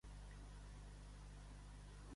Quan Painless Love sona al Neighbourhood Cinema Group